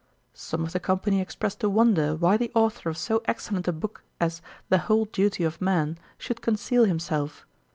Some of the company expressed a wonder why the authour of so excellent a book as The Whole Duty of Man should conceal himself.